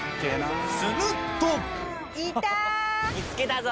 すると見つけたぞ！